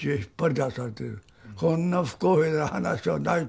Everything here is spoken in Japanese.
こんな不公平な話はない。